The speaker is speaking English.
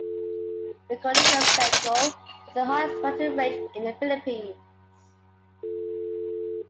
The Cordillera Central is the highest mountain range in the Philippines.